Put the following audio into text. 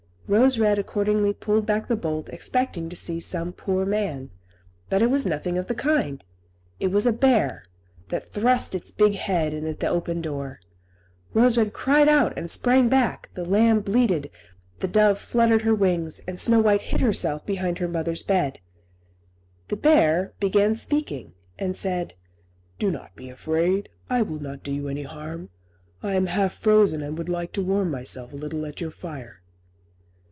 Rose Red accordingly pulled back the bolt, expecting to see some poor man. But it was nothing of the kind; it was a bear, that thrust his big head in at the open door. Rose Red cried out and sprang back, the lamb bleated, the dove fluttered her wings and Snow White hid herself behind her mother's bed. The bear began speaking, and said, "Do not be afraid: I will not do you any harm; I am half frozen, and would like to warm myself a little at your fire."